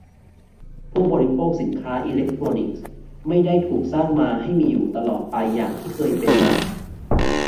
ผู้บริโภคสินค้าอิเลคโทรนิกส์ไม่ได้ถูกสร้างมาให้มีอยู่ตลอดไปอย่างที่เคยเป็นมา